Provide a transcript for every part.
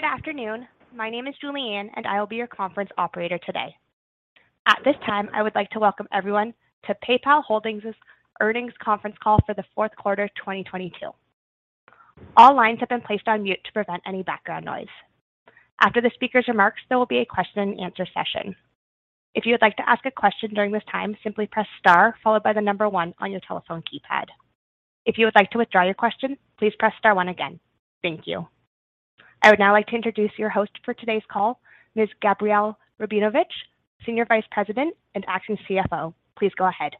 Good afternoon. My name is Julianne; I will be your conference operator today. At this time, I would like to welcome everyone to PayPal Holdings' Earnings Conference Call for the fourth quarter, 2022. All lines have been placed on mute to prevent any background noise. After the speaker's remarks, there will be a question-and-answer session. If you would like to ask a question during this time, simply press star one on your telephone keypad. If you would like to withdraw your question, please press star one again. Thank you. I would now like to introduce your host for today's call, Ms. Gabrielle Rabinovitch, Senior Vice President and Acting CFO. Please go ahead.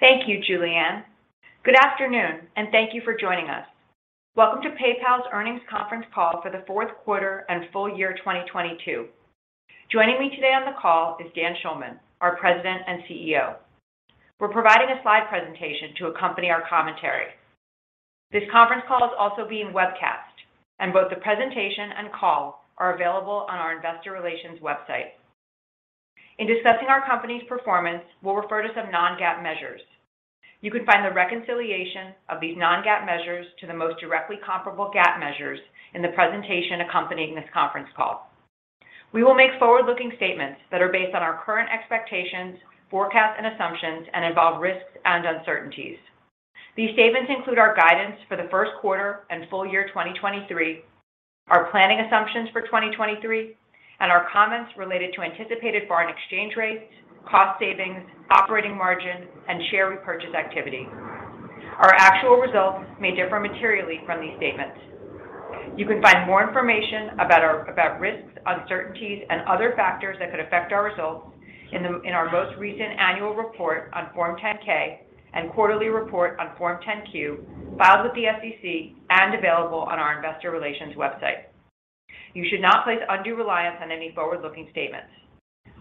Thank you, Julianne. Good afternoon and thank you for joining us. Welcome to PayPal's Earnings Conference Call for the fourth quarter and full year 2022. Joining me today on the call is Dan Schulman, our President and CEO. We're providing a slide presentation to accompany our commentary. This conference call is also being webcast, and both the presentation and call are available on our investor relations website. In discussing our company's performance, we'll refer to some non-GAAP measures. You can find the reconciliation of these non-GAAP measures to the most directly comparable GAAP measures in the presentation accompanying this conference call. We will make forward-looking statements that are based on our current expectations, forecasts, and assumptions and involve risks and uncertainties. These statements include our guidance for the first quarter and full year 2023, our planning assumptions for 2023, and our comments related to anticipated foreign exchange rates, cost savings, operating margin, and share repurchase activity. Our actual results may differ materially from these statements. You can find more information about risks, uncertainties, and other factors that could affect our results in our most recent annual report on Form 10-K and quarterly report on Form 10-Q, filed with the SEC and available on our investor relations website. You should not place undue reliance on any forward-looking statements.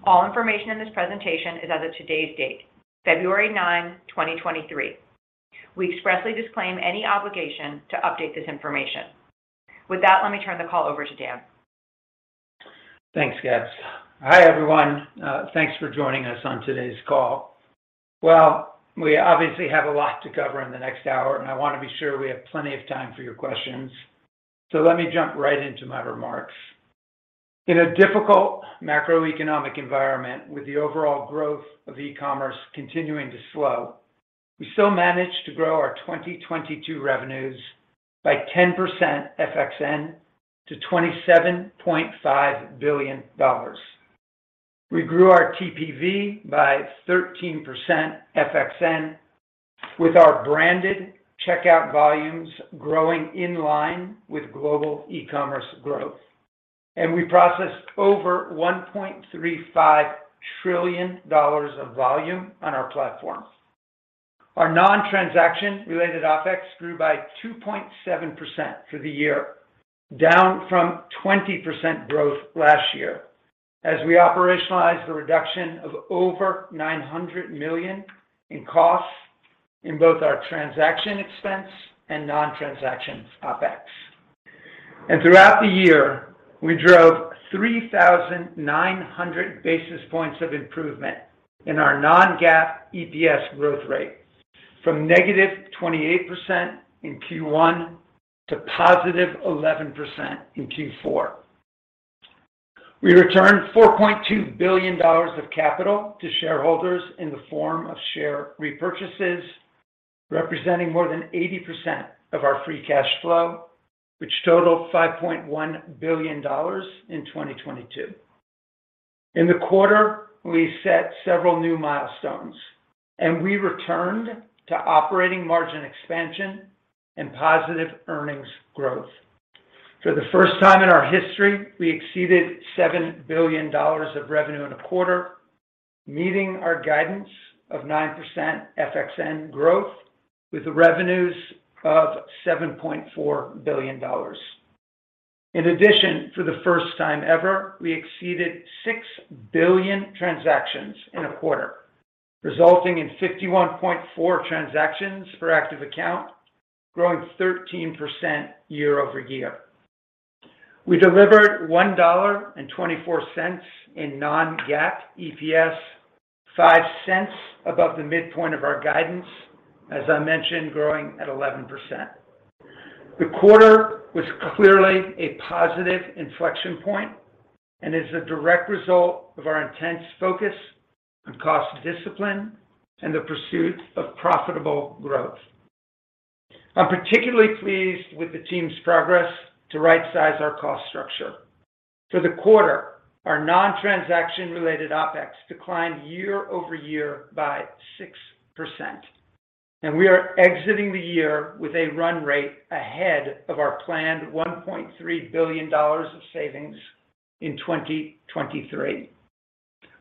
All information in this presentation is as of today's date, February 9, 2023. We expressly disclaim any obligation to update this information. With that, let me turn the call over to Dan. Thanks, Gabs. Hi, everyone. Thanks for joining us on today's call. We obviously have a lot to cover in the next hour, and I want to be sure we have plenty of time for your questions, so let me jump right into my remarks. In a difficult macroeconomic environment, with the overall growth of e-commerce continuing to slow, we still managed to grow our 2022 revenues by 10% FXN to $27.5 billion. We grew our TPV by 13% FXN, with our branded checkout volumes growing in line with global e-commerce growth. We processed over $1.35 trillion of volume on our platform. Our non-transaction related OpEx grew by 2.7% for the year, down from 20% growth last year, as we operationalized the reduction of over $900 million in costs in both our transaction expense and non-transactions OpEx. Throughout the year, we drove 3,900 basis points of improvement in our non-GAAP EPS growth rate from -28% in Q1 to +11% in Q4. We returned $4.2 billion of capital to shareholders in the form of share repurchases, representing more than 80% of our free cash flow, which totaled $5.1 billion in 2022. In the quarter, we set several new milestones. We returned to operating margin expansion and positive earnings growth. For the first time in our history, we exceeded $7 billion of revenue in a quarter, meeting our guidance of 9% FXN growth with the revenues of $7.4 billion. In addition, for the first time ever, we exceeded 6 billion transactions in a quarter, resulting in 51.4 transactions per active account, growing 13% year-over-year. We delivered $1.24 in non-GAAP EPS, $0.05 above the midpoint of our guidance, as I mentioned, growing at 11%. The quarter was clearly a positive inflection point and is a direct result of our intense focus on cost discipline and the pursuit of profitable growth. I'm particularly pleased with the team's progress to right size our cost structure. For the quarter, our non-transaction related OpEx declined year-over-year by 6%, and we are exiting the year with a run rate ahead of our planned $1.3 billion of savings in 2023.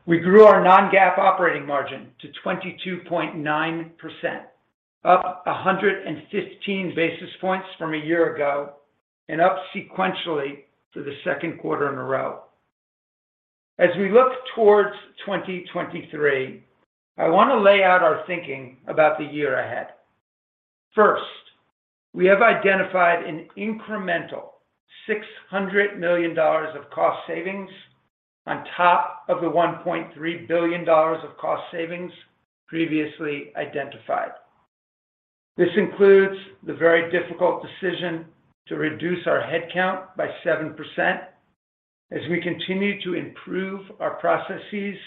We grew our non-GAAP operating margin to 22.9%, up 115 basis points from a year ago and up sequentially for the second quarter in a row. As we look towards 2023, I want to lay out our thinking about the year ahead. First, we have identified an incremental $600 million of cost savings on top of the $1.3 billion of cost savings previously identified. This includes the very difficult decision to reduce our headcount by 7% as we continue to improve our processes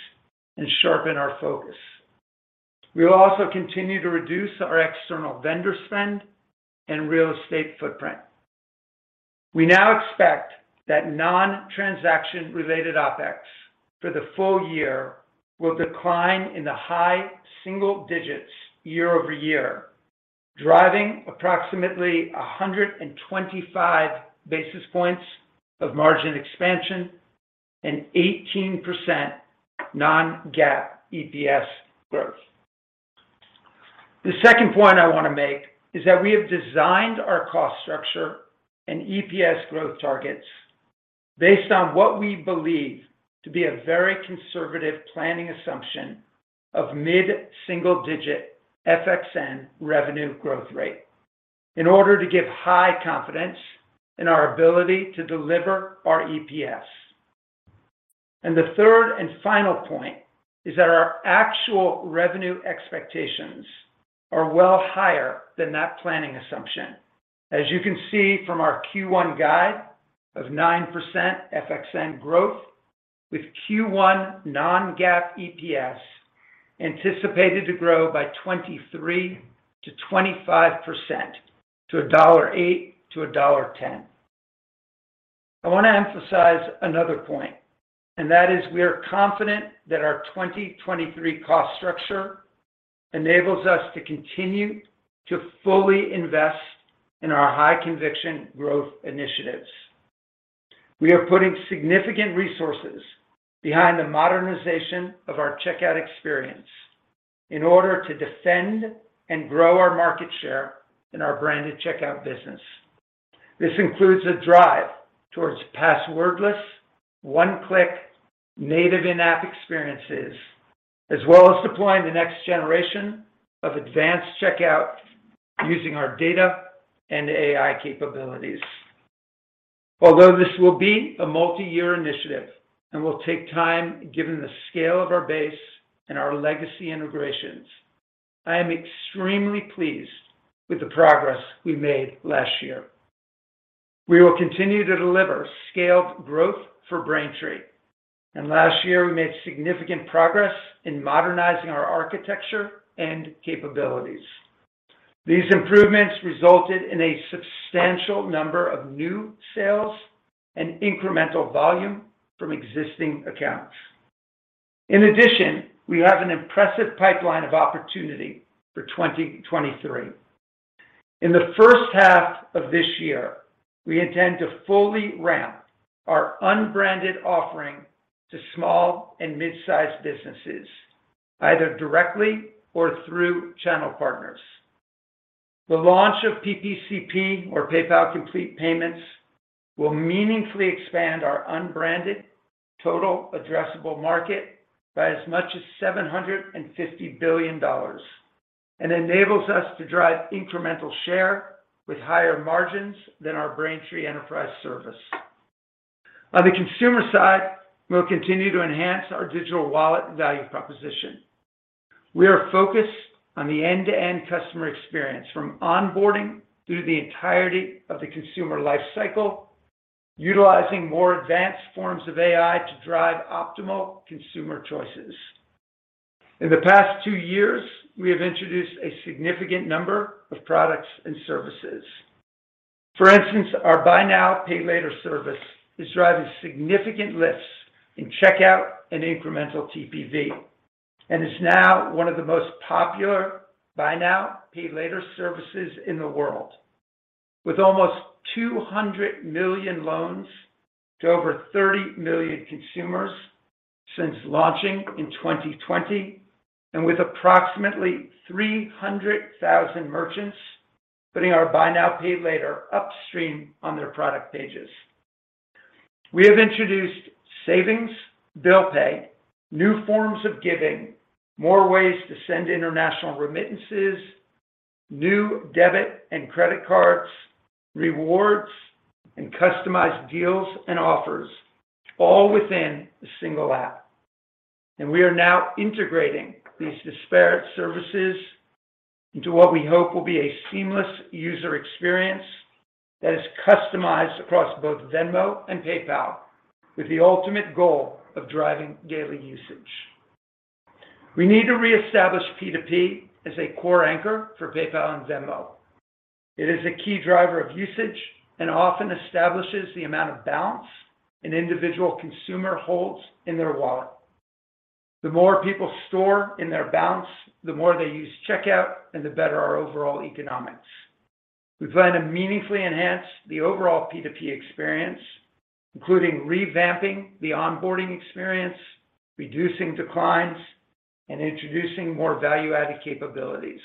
and sharpen our focus. We will also continue to reduce our external vendor spend and real estate footprint. We now expect that non-transaction related OpEx for the full year will decline in the high single digits year-over-year, driving approximately 125-basis points of margin expansion and 18% non-GAAP EPS growth. The second point I want to make is that we have designed our cost structure and EPS growth targets based on what we believe to be a very conservative planning assumption of mid-single digit FXN revenue growth rate in order to give high confidence in our ability to deliver our EPS. The third and final point is that our actual revenue expectations are well higher than that planning assumption. As you can see from our Q1 guide of 9% FXN growth with Q1 non-GAAP EPS anticipated to grow by 23%-25% to $1.08-$1.10. I want to emphasize another point, and that is we are confident that our 2023 cost structure enables us to continue to fully invest in our high conviction growth initiatives. We are putting significant resources behind the modernization of our checkout experience in order to defend and grow our market share in our branded checkout business. This includes a drive towards passwordless, one-click native in-app experiences, as well as deploying the next generation of advanced checkout using our data and AI capabilities. Although this will be a multi-year initiative and will take time, given the scale of our base and our legacy integrations, I am extremely pleased with the progress we made last year. We will continue to deliver scaled growth for Braintree, and last year we made significant progress in modernizing our architecture and capabilities. These improvements resulted in a substantial number of new sales and incremental volume from existing accounts. In addition, we have an impressive pipeline of opportunity for 2023. In the first half of this year, we intend to fully ramp our unbranded offering to small and mid-sized businesses, either directly or through channel partners. The launch of PPCP or PayPal Complete Payments will meaningfully expand our unbranded total addressable market by as much as $750 billion and enables us to drive incremental share with higher margins than our Braintree Enterprise service. On the consumer side, we'll continue to enhance our digital wallet value proposition. We are focused on the end-to-end customer experience from onboarding through the entirety of the consumer lifecycle, utilizing more advanced forms of AI to drive optimal consumer choices. In the past two years, we have introduced a significant number of products and services. For instance, our buy now, pay later service is driving significant lifts in checkout and incremental TPV, and is now one of the most popular buy now, pay later services in the world. With almost 200 million loans to over 30 million consumers since launching in 2020, and with approximately 300,000 merchants putting our buy now, pay later upstream on their product pages. We have introduced savings, bill pay, new forms of giving, more ways to send international remittances, new debit and credit cards, rewards, and customized deals and offers all within a single app. We are now integrating these disparate services into what we hope will be a seamless user experience that is customized across both Venmo and PayPal with the ultimate goal of driving daily usage. We need to reestablish P2P as a core anchor for PayPal and Venmo. It is a key driver of usage and often establishes the amount of balance an individual consumer holds in their wallet. The more people store in their balance, the more they use checkout and the better our overall economics. We plan to meaningfully enhance the overall P2P experience, including revamping the onboarding experience, reducing declines, and introducing more value-added capabilities.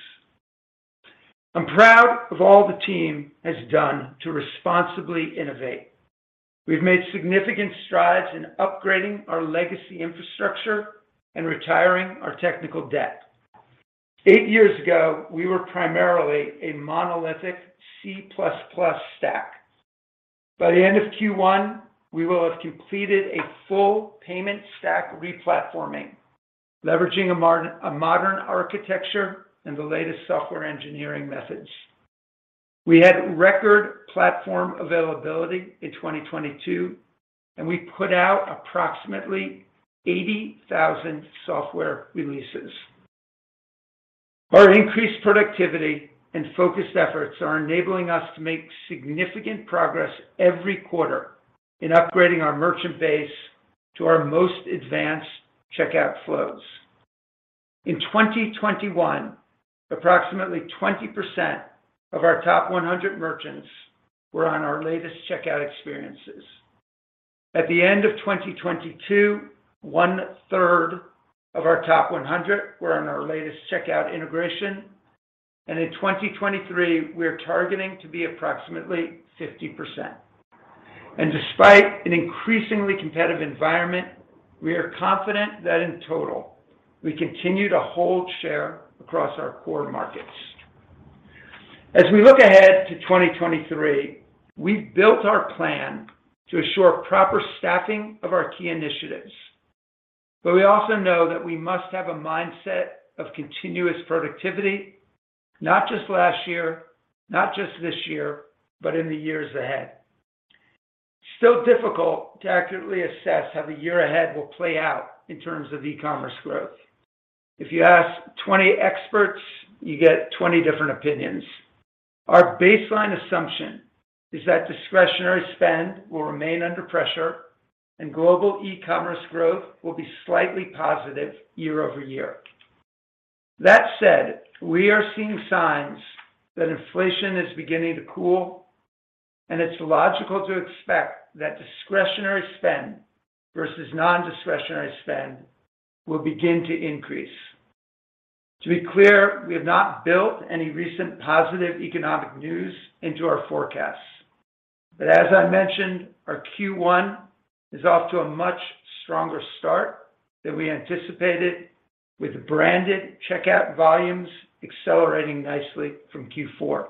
I'm proud of all the team has done to responsibly innovate. We've made significant strides in upgrading our legacy infrastructure and retiring our technical debt. 8 years ago, we were primarily a monolithic C++ stack. By the end of Q1, we will have completed a full payment stack re-platforming, leveraging a modern architecture and the latest software engineering methods. We had record platform availability in 2022, and we put out approximately 80,000 software releases. Our increased productivity and focused efforts are enabling us to make significant progress every quarter in upgrading our merchant base to our most advanced checkout flows. In 2021, approximately 20% of our top 100 merchants were on our latest checkout experiences. At the end of 2022, one-third of our top 100 were on our latest checkout integration, and in 2023, we are targeting to be approximately 50%. Despite an increasingly competitive environment, we are confident that in total we continue to hold share across our core markets. As we look ahead to 2023, we've built our plan to assure proper staffing of our key initiatives. We also know that we must have a mindset of continuous productivity, not just last year, not just this year, but in the years ahead. It's still difficult to accurately assess how the year ahead will play out in terms of e-commerce growth. If you ask 20 experts, you get 20 different opinions. Our baseline assumption is that discretionary spend will remain under pressure and global e-commerce growth will be slightly positive year-over-year. That said, we are seeing signs that inflation is beginning to cool, and it's logical to expect that discretionary spend versus non-discretionary spend will begin to increase. To be clear, we have not built any recent positive economic news into our forecasts. As I mentioned, our Q1 is off to a much stronger start than we anticipated with branded checkout volumes accelerating nicely from Q4.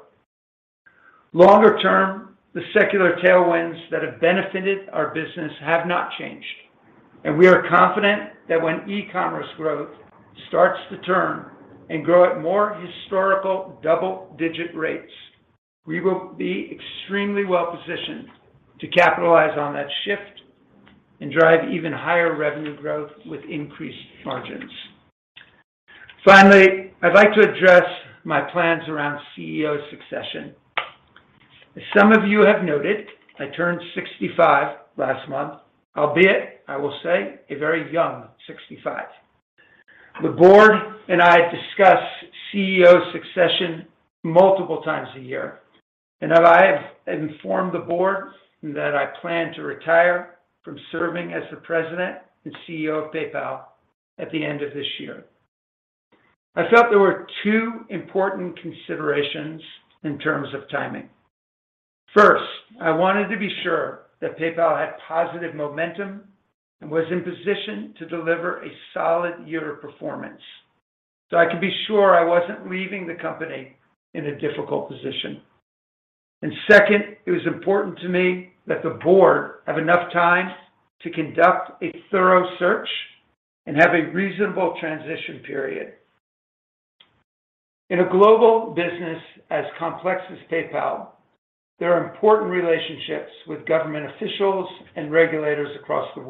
Longer term, the secular tailwinds that have benefited our business have not changed, and we are confident that when e-commerce growth starts to turn and grow at more historical double-digit rates, we will be extremely well positioned to capitalize on that shift and drive even higher revenue growth with increased margins. I'd like to address my plans around CEO succession. As some of you have noted, I turned 65 last month, albeit I will say a very young 65. The Board and I discuss CEO succession multiple times a year. I have informed the Board that I plan to retire from serving as the President and CEO of PayPal at the end of this year. I felt there were two important considerations in terms of timing. First, I wanted to be sure that PayPal had positive momentum and was in position to deliver a solid year of performance, so I could be sure I wasn't leaving the company in a difficult position. Second, it was important to me that the Board have enough time to conduct a thorough search and have a reasonable transition period. In a global business as complex as PayPal, there are important relationships with government officials and regulators across the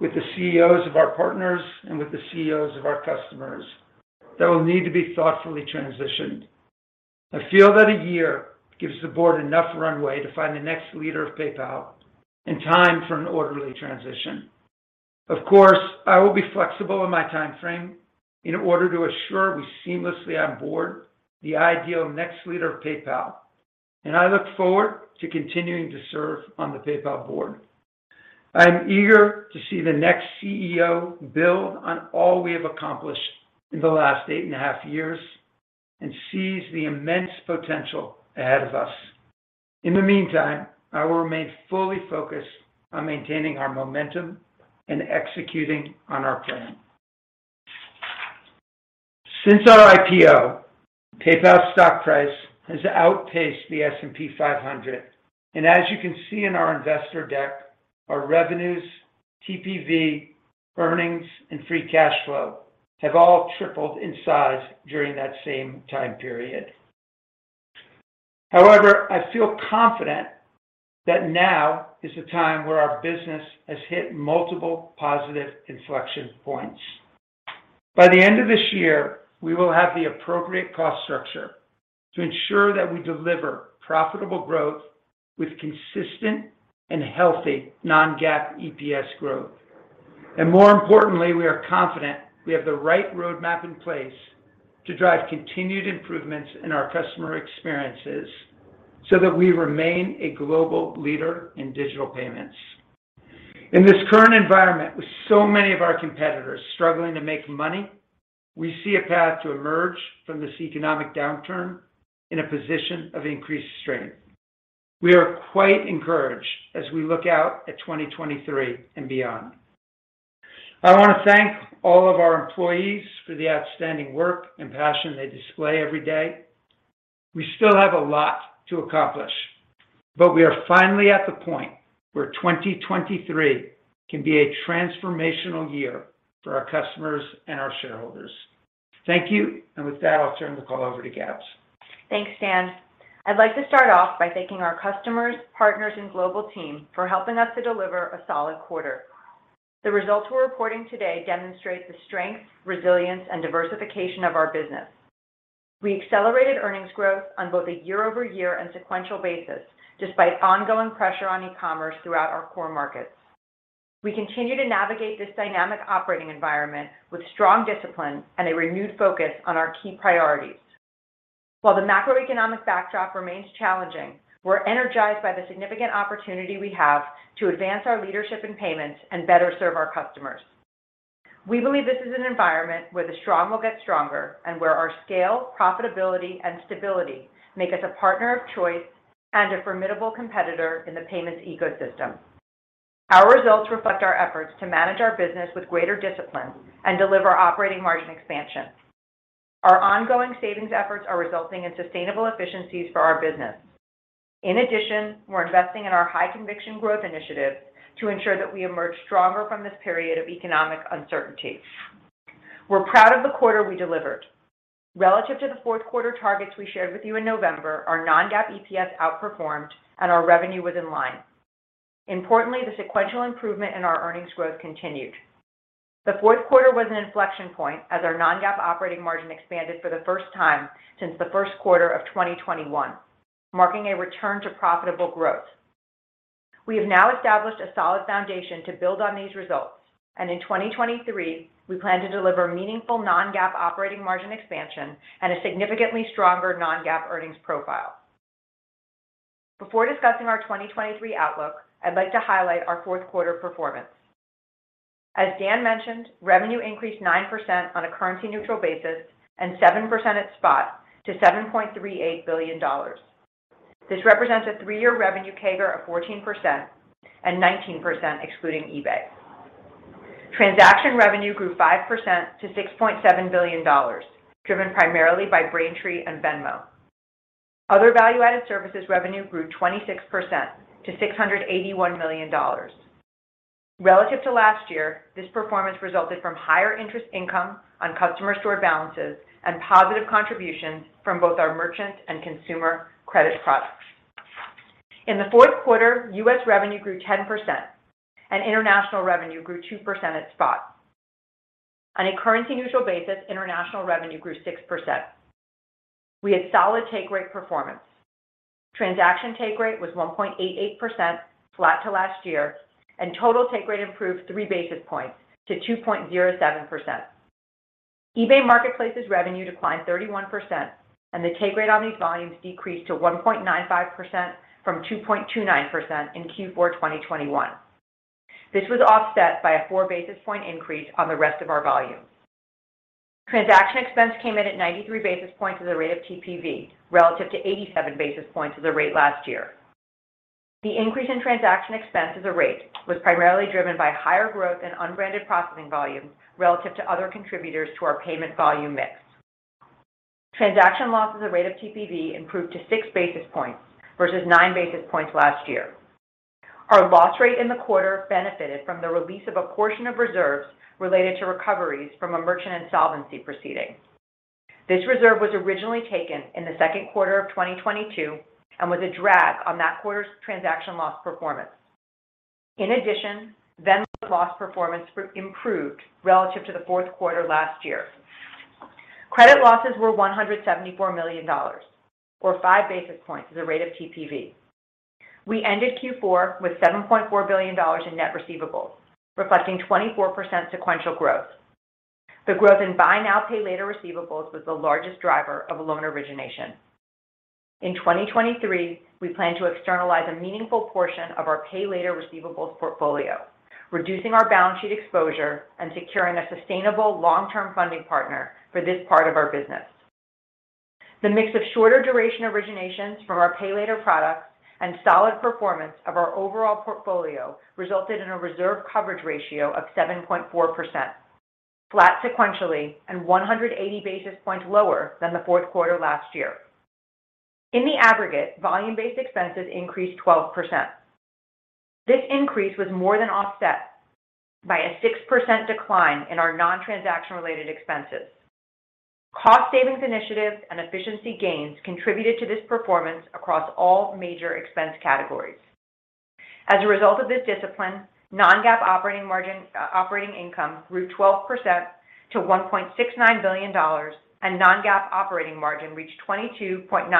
world, with the CEOs of our partners and with the CEOs of our customers that will need to be thoughtfully transitioned. I feel that a year gives the board enough runway to find the next leader of PayPal in time for an orderly transition. Of course, I will be flexible in my timeframe in order to assure we seamlessly onboard the ideal next leader of PayPal, and I look forward to continuing to serve on the PayPal board. I am eager to see the next CEO build on all we have accomplished in the last eight and a half years and seize the immense potential ahead of us. In the meantime, I will remain fully focused on maintaining our momentum and executing on our plan. Since our IPO, PayPal's stock price has outpaced the S&P 500, and as you can see in our investor deck, our revenues, TPV, earnings, and free cash flow have all tripled in size during that same time period. However, I feel confident that now is the time where our business has hit multiple positive inflection points. By the end of this year, we will have the appropriate cost structure to ensure that we deliver profitable growth with consistent and healthy non-GAAP EPS growth. More importantly, we are confident we have the right roadmap in place to drive continued improvements in our customer experiences so that we remain a global leader in digital payments. In this current environment, with so many of our competitors struggling to make money, we see a path to emerge from this economic downturn in a position of increased strength. We are quite encouraged as we look out at 2023 and beyond. I want to thank all of our employees for the outstanding work and passion they display every day. We still have a lot to accomplish, but we are finally at the point where 2023 can be a transformational year for our customers and our shareholders. Thank you. With that, I'll turn the call over to Gabs. Thanks, Dan. I'd like to start off by thanking our customers, partners, and global team for helping us to deliver a solid quarter. The results we're reporting today demonstrate the strength, resilience, and diversification of our business. We accelerated earnings growth on both a year-over-year and sequential basis despite ongoing pressure on e-commerce throughout our core markets. We continue to navigate this dynamic operating environment with strong discipline and a renewed focus on our key priorities. While the macroeconomic backdrop remains challenging, we're energized by the significant opportunity we have to advance our leadership in payments and better serve our customers. We believe this is an environment where the strong will get stronger and where our scale, profitability, and stability make us a partner of choice and a formidable competitor in the payment's ecosystem. Our results reflect our efforts to manage our business with greater discipline and deliver operating margin expansion. Our ongoing savings efforts are resulting in sustainable efficiencies for our business. In addition, we're investing in our high conviction growth initiatives to ensure that we emerge stronger from this period of economic uncertainty. We're proud of the quarter we delivered. Relative to the fourth quarter targets we shared with you in November, our non-GAAP EPS outperformed, and our revenue was in line. Importantly, the sequential improvement in our earnings growth continued. The fourth quarter was an inflection point as our non-GAAP operating margin expanded for the first time since the first quarter of 2021, marking a return to profitable growth. We have now established a solid foundation to build on these results. In 2023, we plan to deliver meaningful non-GAAP operating margin expansion and a significantly stronger non-GAAP earnings profile. Before discussing our 2023 outlook, I'd like to highlight our fourth quarter performance. As Dan mentioned, revenue increased 9% on a currency-neutral basis and 7% at spot to $7.38 billion. This represents a three-year revenue CAGR of 14% and 19% excluding eBay. Transaction revenue grew 5% to $6.7 billion, driven primarily by Braintree and Venmo. Other value-added services revenue grew 26% to $681 million. Relative to last year, this performance resulted from higher interest income on customer stored balances and positive contributions from both our merchant and consumer credit products. In the fourth quarter, U.S. revenue grew 10% and international revenue grew 2% at spot. On a currency-neutral basis, international revenue grew 6%. We had solid take rate performance. Transaction take rate was 1.88% flat to last year, and total take rate improved three basis points to 2.07%. eBay Marketplaces' revenue declined 31%, and the take rate on these volumes decreased to 1.95% from 2.29% in Q4 2021. This was offset by a four-basis point increase on the rest of our volumes. Transaction expense came in at 93-basis points as a rate of TPV relative to 87-basis points as a rate last year. The increase in transaction expense as a rate was primarily driven by higher growth in unbranded processing volumes relative to other contributors to our payment volume mix. Transaction loss as a rate of TPV improved to six-basis points versus nine-basis points last year. Our loss rate in the quarter benefited from the release of a portion of reserves related to recoveries from a merchant insolvency proceeding. This reserve was originally taken in the second quarter of 2022 and was a drag on that quarter's transaction loss performance. In addition, Venmo loss performance improved relative to the fourth quarter last year. Credit losses were $174 million or five-basis points as a rate of TPV. We ended Q4 with $7.4 billion in net receivables, reflecting 24% sequential growth. The growth in buy now, pay later receivables was the largest driver of loan origination. In 2023, we plan to externalize a meaningful portion of our Pay Later receivables portfolio, reducing our balance sheet exposure and securing a sustainable long-term funding partner for this part of our business. The mix of shorter duration originations from our Pay Later products and solid performance of our overall portfolio resulted in a reserve coverage ratio of 7.4%, flat sequentially and 180-basis points lower than the fourth quarter last year. In the aggregate, volume-based expenses increased 12%. This increase was more than offset by a 6% decline in our non-transaction-related expenses. Cost savings initiatives and efficiency gains contributed to this performance across all major expense categories. As a result of this discipline, non-GAAP operating income grew 12% to $1.69 billion, and non-GAAP operating margin reached 22.9%,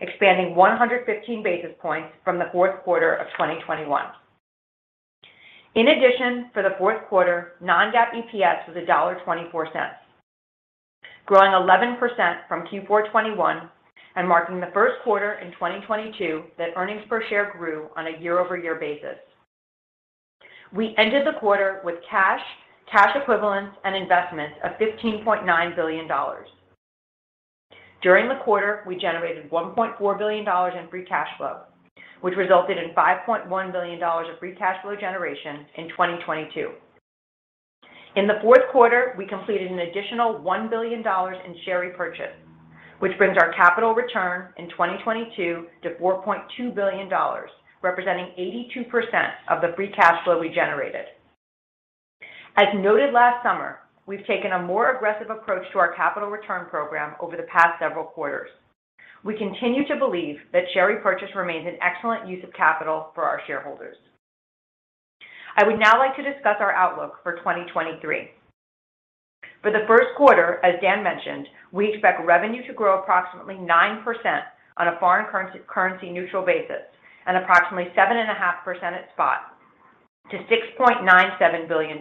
expanding 115 basis points from the fourth quarter of 2021. For the fourth quarter, non-GAAP EPS was $1.24, growing 11% from Q4 2021 and marking the first quarter in 2022 that earnings per share grew on a year-over-year basis. We ended the quarter with cash equivalents, and investments of $15.9 billion. During the quarter, we generated $1.4 billion in free cash flow, which resulted in $5.1 billion of free cash flow generation in 2022. In the fourth quarter, we completed an additional $1 billion in share repurchase, which brings our capital return in 2022 to $4.2 billion, representing 82% of the free cash flow we generated. As noted last summer, we've taken a more aggressive approach to our capital return program over the past several quarters. We continue to believe that share repurchase remains an excellent use of capital for our shareholders. I would now like to discuss our outlook for 2023. For the first quarter, as Dan mentioned, we expect revenue to grow approximately 9% on a foreign currency neutral basis and approximately 7.5% at spot to $6.97 billion.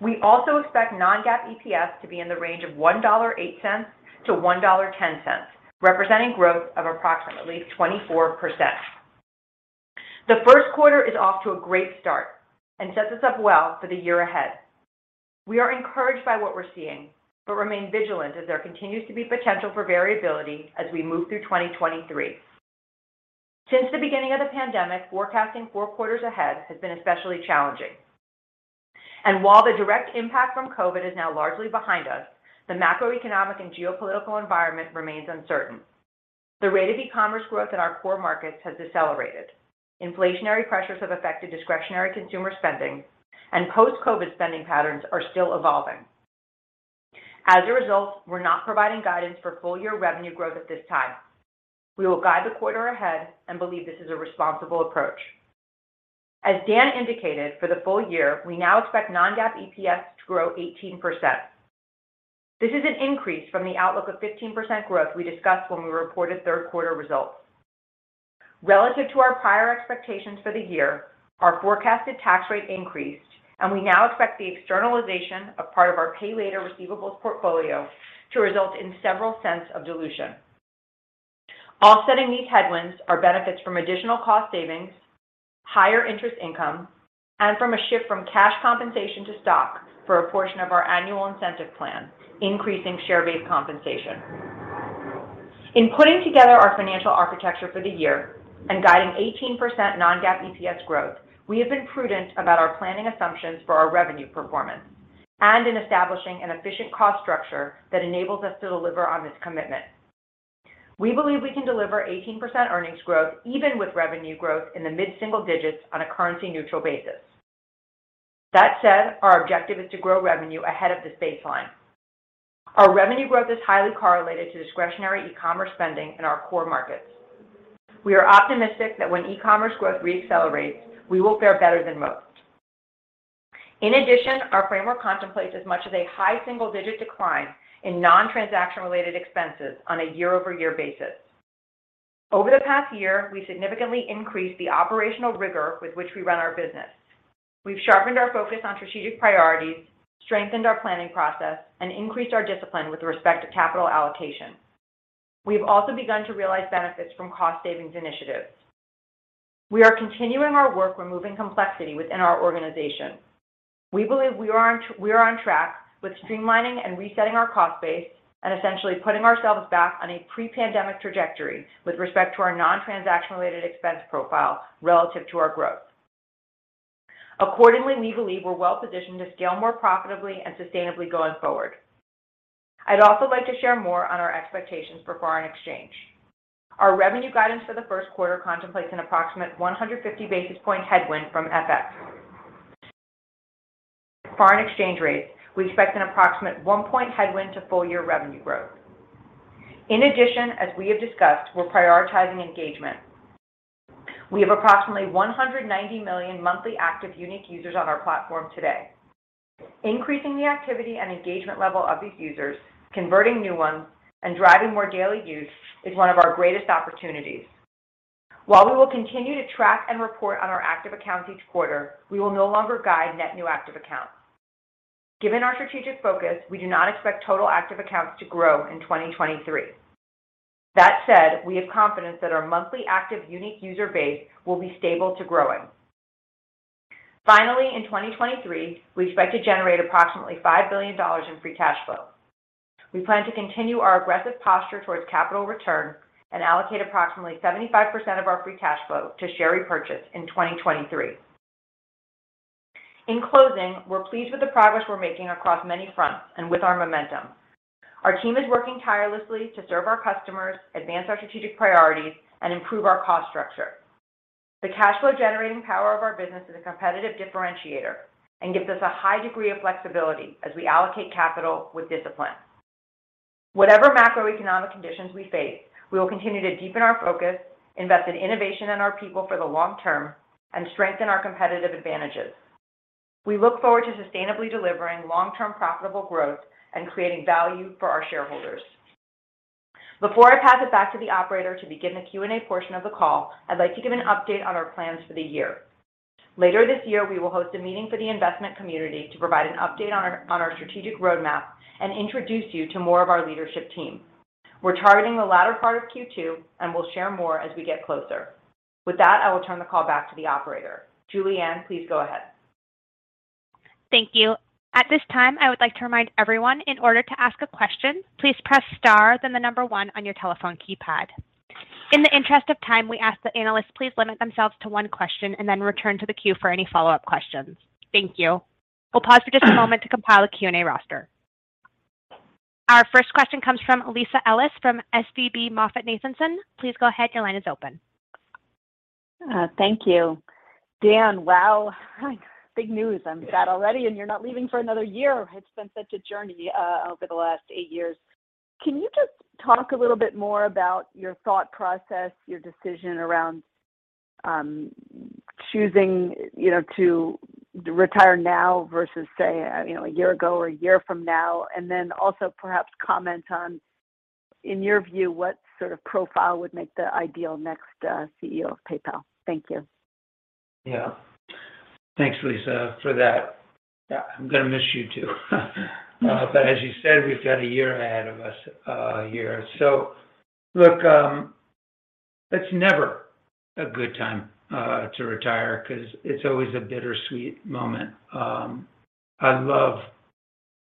We also expect non-GAAP EPS to be in the range of $1.08-$1.10, representing growth of approximately 24%. The first quarter is off to a great start and sets us up well for the year ahead. We are encouraged by what we're seeing but remain vigilant as there continues to be potential for variability as we move through 2023. Since the beginning of the pandemic, forecasting four quarters ahead has been especially challenging. While the direct impact from COVID is now largely behind us, the macroeconomic and geopolitical environment remains uncertain. The rate of e-commerce growth in our core markets has decelerated. Inflationary pressures have affected discretionary consumer spending and post-COVID spending patterns are still evolving. As a result, we're not providing guidance for full-year revenue growth at this time. We will guide the quarter ahead and believe this is a responsible approach. As Dan indicated, for the full year, we now expect non-GAAP EPS to grow 18%. This is an increase from the outlook of 15% growth we discussed when we reported third quarter results. Relative to our prior expectations for the year, our forecasted tax rate increased, and we now expect the externalization of part of our Pay Later receivables portfolio to result in several cents of dilution. Offsetting these headwinds are benefits from additional cost savings, higher interest income, and from a shift from cash compensation to stock for a portion of our annual incentive plan, increasing share-based compensation. In putting together our financial architecture for the year and guiding 18% non-GAAP EPS growth, we have been prudent about our planning assumptions for our revenue performance and in establishing an efficient cost structure that enables us to deliver on this commitment. We believe we can deliver 18% earnings growth even with revenue growth in the mid-single digits on a currency neutral basis. That said, our objective is to grow revenue ahead of this baseline. Our revenue growth is highly correlated to discretionary e-commerce spending in our core markets. We are optimistic that when e-commerce growth re-accelerates, we will fare better than most. In addition, our framework contemplates as much as a high single-digit decline in non-transaction related expenses on a year-over-year basis. Over the past year, we significantly increased the operational rigor with which we run our business. We've sharpened our focus on strategic priorities, strengthened our planning process, and increased our discipline with respect to capital allocation. We've also begun to realize benefits from cost savings initiatives. We are continuing our work removing complexity within our organization. We believe we are on track with streamlining and resetting our cost base and essentially putting ourselves back on a pre-pandemic trajectory with respect to our non-transaction related expense profile relative to our growth. We believe we're well positioned to scale more profitably and sustainably going forward. I'd also like to share more on our expectations for foreign exchange. Our revenue guidance for the first quarter contemplates an approximate 150-basis point headwind from FX. Foreign exchange rates, we expect an approximate one-point headwind to full-year revenue growth. As we have discussed, we're prioritizing engagement. We have approximately 190 million monthly active unique users on our platform today. Increasing the activity and engagement level of these users, converting new ones, and driving more daily use is one of our greatest opportunities. While we will continue to track and report on our active accounts each quarter, we will no longer guide net new active accounts. Given our strategic focus, we do not expect total active accounts to grow in 2023. That said, we have confidence that our monthly active unique user base will be stable to growing. In 2023, we expect to generate approximately $5 billion in free cash flow. We plan to continue our aggressive posture towards capital return and allocate approximately 75% of our free cash flow to share repurchase in 2023. In closing, we're pleased with the progress we're making across many fronts and with our momentum. Our team is working tirelessly to serve our customers, advance our strategic priorities, and improve our cost structure. The cash flow generating power of our business is a competitive differentiator and gives us a high degree of flexibility as we allocate capital with discipline. Whatever macroeconomic conditions we face, we will continue to deepen our focus, invest in innovation and our people for the long term, and strengthen our competitive advantages. We look forward to sustainably delivering long-term profitable growth and creating value for our shareholders. Before I pass it back to the operator to begin the Q&A portion of the call, I'd like to give an update on our plans for the year. Later this year, we will host a meeting for the investment community to provide an update on our strategic roadmap and introduce you to more of our leadership team. We're targeting the latter part of Q2, and we'll share more as we get closer. With that, I will turn the call back to the operator. Julianne, please go ahead. Thank you. At this time, I would like to remind everyone in order to ask a question, please press star 1 on your telephone keypad. In the interest of time, we ask the analysts, please limit themselves to 1 question and then return to the queue for any follow-up questions. Thank you. We'll pause for just a moment to compile a Q&A roster. Our first question comes from Lisa Ellis from SVB MoffettNathanson. Please go ahead. Your line is open. Thank you. Dan, wow. Big news. I'm sad already, and you're not leaving for another year. It's been such a journey over the last eight years. Can you just talk a little bit more about your thought process, your decision around choosing, you know, to retire now versus say, you know, a year ago or a year from now? Then also perhaps comment on, in your view, what sort of profile would make the ideal next CEO of PayPal. Thank you. Yeah. Thanks, Lisa, for that. I'm going to miss you too. As you said, we've got a year ahead of us here. Look, it's never a good time to retire 'cause it's always a bittersweet moment. I love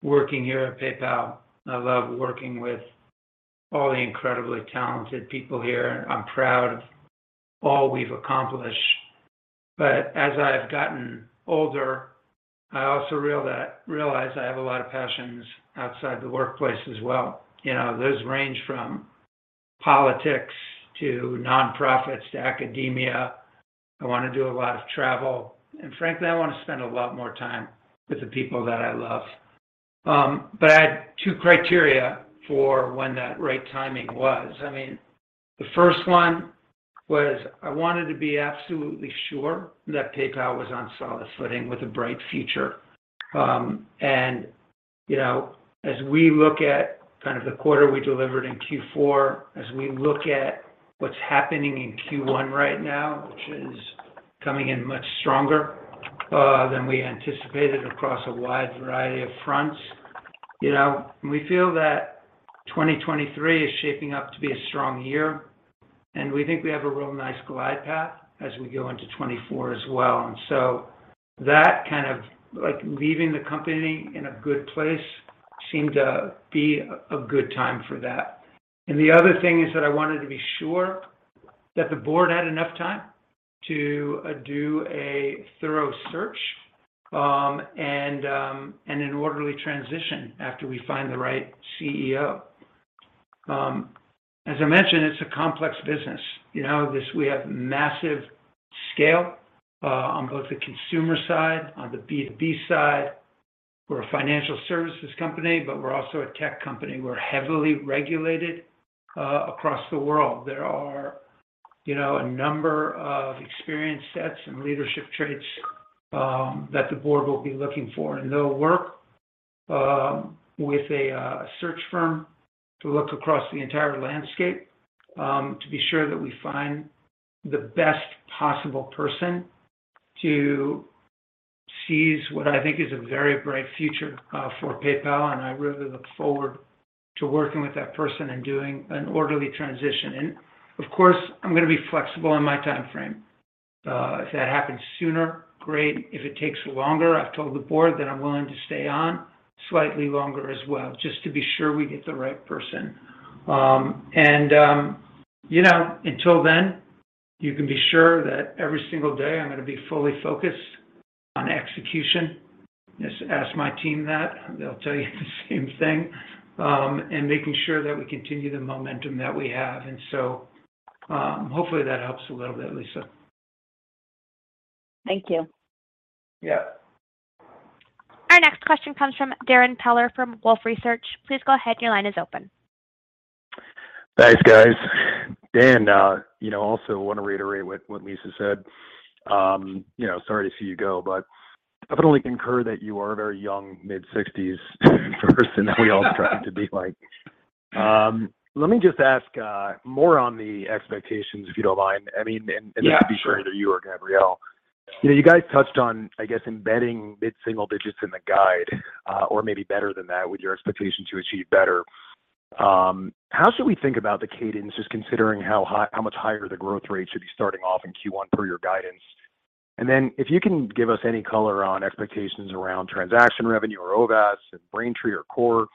working here at PayPal. I love working with all the incredibly talented people here. I'm proud of all we've accomplished. As I've gotten older, I also realize I have a lot of passions outside the workplace as well. You know, those range from politics to nonprofits to academia. I want to do a lot of travel. Frankly, I want to spend a lot more time with the people that I love. I had two criteria for when that right timing was. I mean, the first one was I wanted to be absolutely sure that PayPal was on solid footing with a bright future. You know, as we look at kind of the quarter we delivered in Q4, as we look at what's happening in Q1 right now, which is coming in much stronger than we anticipated across a wide variety of fronts. You know, we feel that 2023 is shaping up to be a strong year, and we think we have a real nice glide path as we go into 2024 as well. That kind of like leaving the company in a good place seemed to be a good time for that. The other thing is that I wanted to be sure that the board had enough time to do a thorough search, and an orderly transition after we find the right CEO. As I mentioned, it's a complex business. You know, this we have massive scale on both the consumer side, on the B2B side. We're a financial services company, but we're also a tech company. We're heavily regulated across the world. There are, you know, a number of experiences sets and leadership traits that the board will be looking for, and they'll work with a search firm to look across the entire landscape to be sure that we find the best possible person to seize what I think is a very bright future for PayPal. I really look forward to working with that person and doing an orderly transition. Of course, I'm going to be flexible in my time frame. If that happens sooner, great. If it takes longer, I've told the board that I'm willing to stay on slightly longer as well, just to be sure we get the right person. And, you know, until then, you can be sure that every single day I'm going to be fully focused on execution. Just ask my team that, they'll tell you the same thing and making sure that we continue the momentum that we have. Hopefully that helps a little bit, Lisa. Thank you. Yeah. Our next question comes from Darrin Peller from Wolfe Research. Please go ahead. Your line is open. Thanks, guys. Dan, you know, also want to reiterate what Lisa said. You know, sorry to see you go, but definitely concur that you are a very young mid-60s person that we all strive to be like. Let me just ask more on the expectations, if you don't mind. Yeah, sure. This could be either you or Gabrielle. You know, you guys touched on, I guess, embedding mid-single digits in the guide, or maybe better than that with your expectation to achieve better. How should we think about the cadence, just considering how much higher the growth rate should be starting off in Q1 per your guidance? If you can give us any color on expectations around transaction revenue or OVAS and Braintree or Core,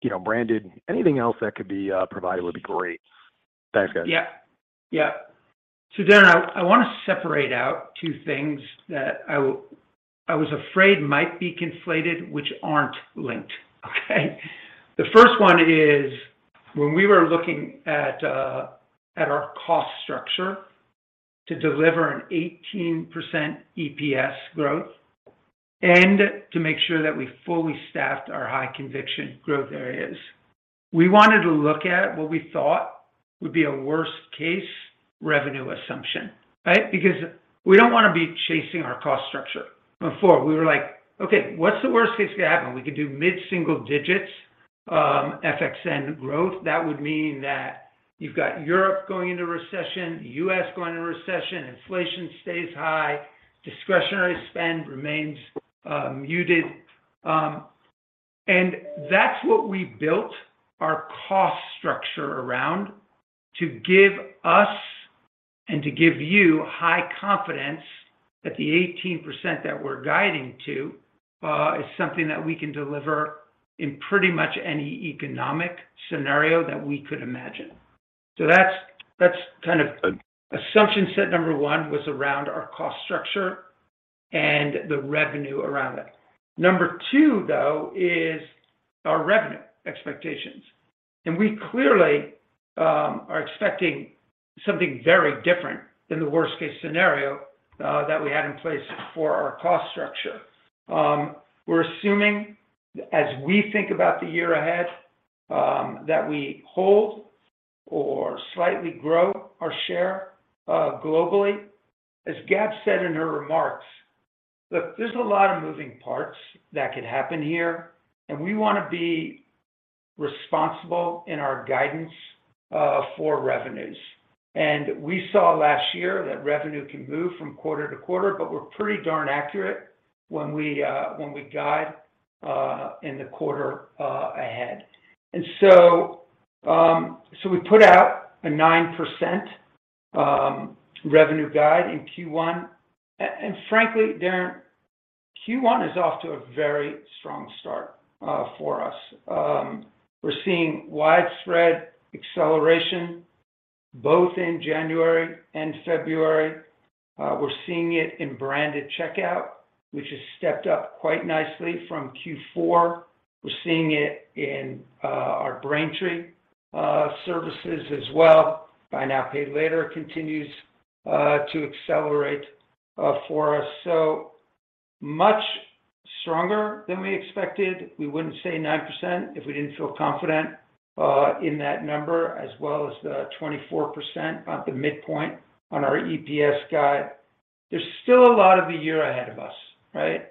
you know, branded. Anything else that could be provided would be great. Thanks, guys. Yeah. Darren, I want to separate out two things that I was afraid might be conflated, which aren't linked. Okay. The first one is when we were looking at our cost structure to deliver an 18% EPS growth and to make sure that we fully staffed our high conviction growth areas. We wanted to look at what we thought would be a worst-case revenue assumption, right? Because we don't want to be chasing our cost structure. Before we were like, "Okay, what's the worst case to happen? We could do mid-single digits FXN growth. That would mean that you've got Europe going into recession, U.S. going into recession, inflation stays high, discretionary spend remains muted. That's what we built our cost structure around to give you high confidence that the 18% that we're guiding to is something that we can deliver in pretty much any economic scenario that we could imagine. That's, that's kind of assumption set number 1 was around our cost structure and the revenue around it. Number 2, though, is our revenue expectations. We clearly are expecting something very different than the worst-case scenario that we had in place for our cost structure. We're assuming, as we think about the year ahead, that we hold or slightly grow our share globally. As Gabs said in her remarks, look, there's a lot of moving parts that could happen here. We wanna be responsible in our guidance for revenues. We saw last year that revenue can move from quarter to quarter, but we're pretty darn accurate when we guide in the quarter ahead. We put out a 9% revenue guide in Q1. Frankly, Darrin, Q1 is off to a very strong start for us. We're seeing widespread acceleration both in January and February. We're seeing it in branded checkout, which has stepped up quite nicely from Q4. We're seeing it in our Braintree services as well. Buy now, pay later continues to accelerate for us. Much stronger than we expected. We wouldn't say 9% if we didn't feel confident in that number as well as the 24%, about the midpoint on our EPS guide. There's still a lot of the year ahead of us, right?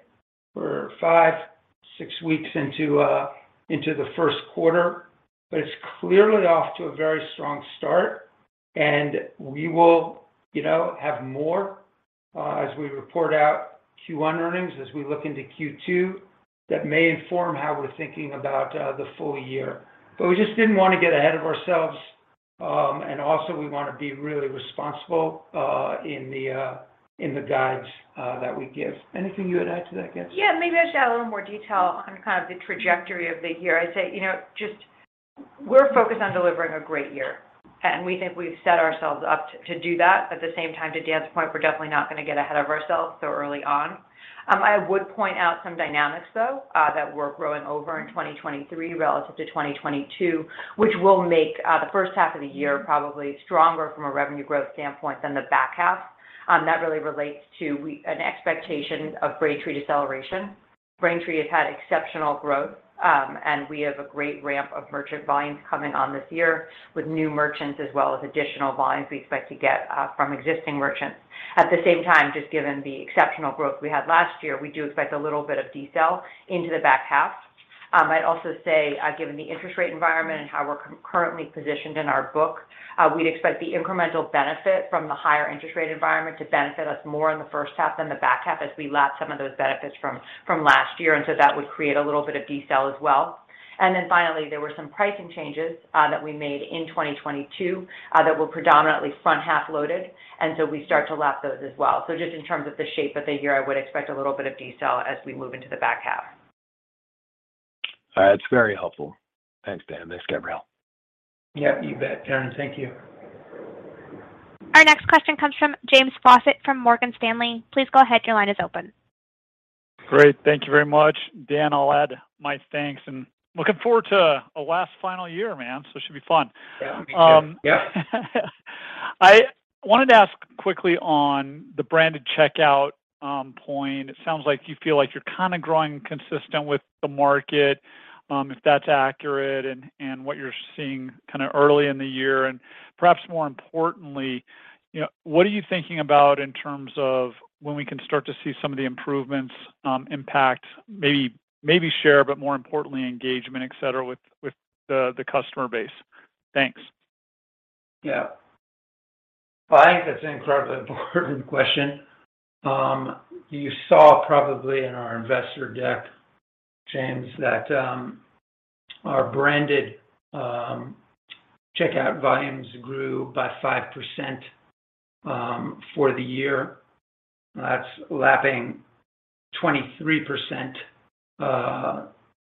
We're five, six weeks into the first quarter, but it's clearly off to a very strong start. We will, you know, have more as we report out Q1 earnings, as we look into Q2, that may inform how we're thinking about the full year. We just didn't wanna get ahead of ourselves and also, we wanna be really responsible in the guides that we give. Anything you would add to that, Gab. Yeah. Maybe I'd add a little more detail on kind of the trajectory of the year. I'd say, you know, just we're focused on delivering a great year. We think we've set ourselves up to do that. At the same time, to Dan's point, we're definitely not gonna get ahead of ourselves so early on. I would point out some dynamics, though, that we're rolling over in 2023 relative to 2022, which will make the first half of the year probably stronger from a revenue growth standpoint than the back half. That really relates to an expectation of Braintree deceleration. Braintree has had exceptional growth. We have a great ramp of merchant volumes coming on this year with new merchants as well as additional volumes we expect to get from existing merchants. At the same time, just given the exceptional growth we had last year, we do expect a little bit of decel into the back half. I'd also say, given the interest rate environment and how we're currently positioned in our book, we'd expect the incremental benefit from the higher interest rate environment to benefit us more in the first half than the back half as we lap some of those benefits from last year. That would create a little bit of decel as well. Finally, there were some pricing changes that we made in 2022 that were predominantly front half loaded, and so we start to lap those as well. Just in terms of the shape of the year, I would expect a little bit of decel as we move into the back half. That's very helpful. Thanks, Dan. Thanks, Gabrielle. Yeah, you bet, Darrin. Thank you. Our next question comes from James Faucette from Morgan Stanley. Please go ahead, your line is open. Great. Thank you very much. Dan, I'll add my thanks, and looking forward to a last final year, man, so it should be fun. Yeah. Me too. Yeah. I wanted to ask quickly on the branded checkout point. It sounds like you feel like you're kind of growing consistent with the market, if that's accurate and what you're seeing kind of early in the year. Perhaps more importantly, you know, what are you thinking about in terms of when we can start to see some of the improvements impact maybe share, but more importantly engagement, etc., with the customer base? Thanks. Yeah. I think that's an incredibly important question. You saw probably in our investor deck, James, that our branded checkout volumes grew by 5% for the year. That's lapping 23%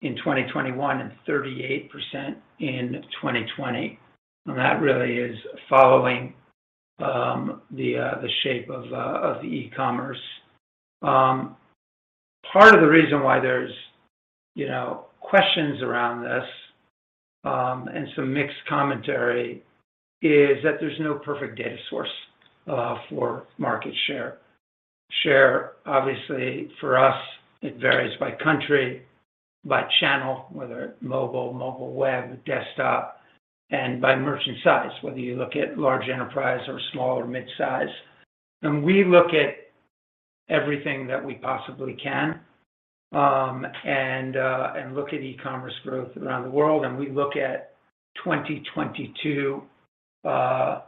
in 2021 and 38% in 2020. That really is following the shape of the e-commerce. Part of the reason why there's, you know, questions around this, and some mixed commentary is that there's no perfect data source for market share. Share, obviously, for us, it varies by country, by channel, whether mobile web, desktop, and by merchant size, whether you look at large enterprise or small or mid-size. We look at everything that we possibly can, and look at e-commerce growth around the world, and we look at 2022. or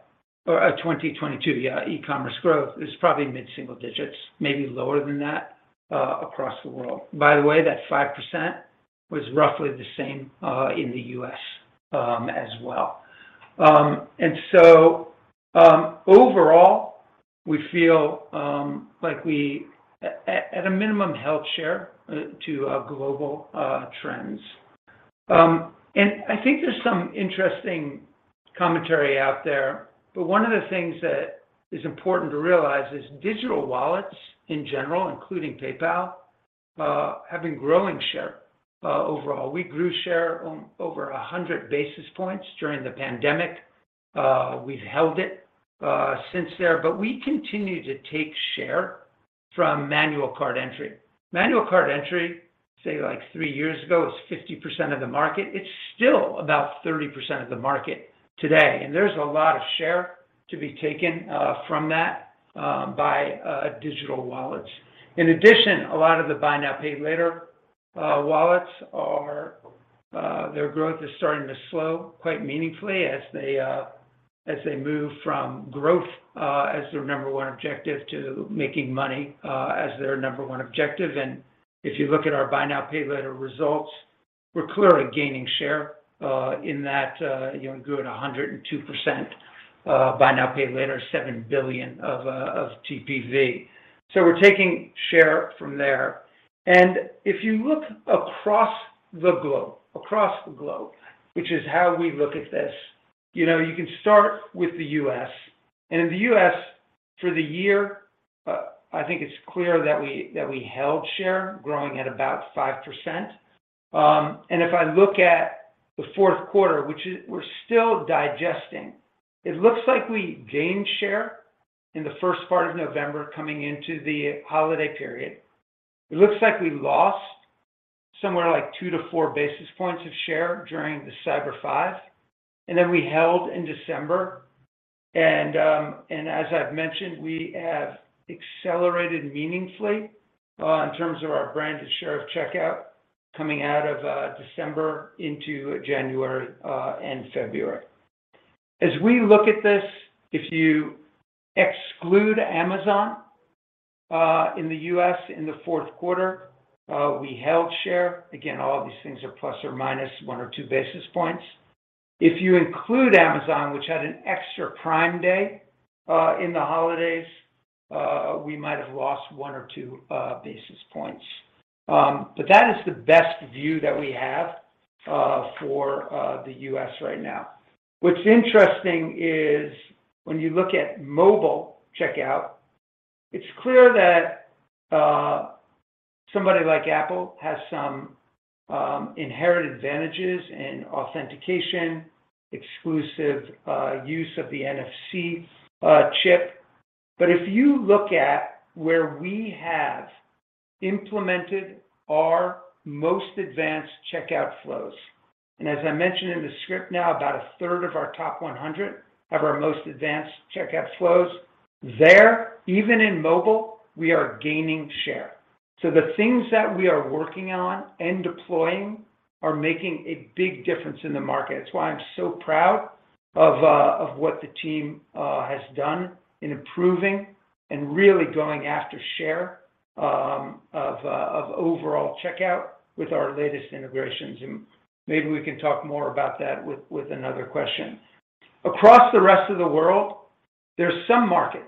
2022, yeah, e-commerce growth is probably mid-single digits, maybe lower than that across the world. That 5% was roughly the same in the U.S. as well. Overall, we feel like we at a minimum held share to global trends. One of the things that is important to realize is digital wallets in general, including PayPal, have been growing share overall. We grew share over 100 basis points during the pandemic. We've held it since there, we continue to take share from manual card entry. Manual card entry, say like 3 years ago, was 50% of the market. It's still about 30% of the market today. There's a lot of share to be taken from that by digital wallets. In addition, a lot of the buy now, pay later wallets are their growth is starting to slow quite meaningfully as they as they move from growth as their number one objective to making money as their number one objective. If you look at our buy now, pay later results, we're clearly gaining share in that, you know, grew at 102% buy now, pay later, $7 billion of TPV. We're taking share from there. If you look across the globe, which is how we look at this, you know, you can start with the U.S. In the U.S., for the year, I think it's clear that we held share growing at about 5%. If I look at the fourth quarter, which is we're still digesting, it looks like we gained share in the first part of November coming into the holiday period. It looks like we lost somewhere like two-four-basis points of share during the Cyber Five. Then we held in December. As I've mentioned, we have accelerated meaningfully in terms of our branded share of checkout coming out of December into January and February. As we look at this, if you exclude Amazon, in the U.S. in the fourth quarter, we held share. Again, all of these things are plus or minus one or two- basis points. If you include Amazon, which had an extra Prime Day, in the holidays, we might have lost 1 or 2 basis points. That is the best view that we have for the U.S. right now. What's interesting is when you look at mobile checkout, it's clear that somebody like Apple has some inherent advantages in authentication, exclusive use of the NFC chip. If you look at where we have implemented our most advanced checkout flows, and as I mentioned in the script now, about a third of our top 100 have our most advanced checkout flows. There, even in mobile, we are gaining share. The things that we are working on and deploying are making a big difference in the market. It's why I'm so proud of what the team has done in improving and really going after share of overall checkout with our latest integrations. Maybe we can talk more about that with another question. Across the rest of the world, there's some markets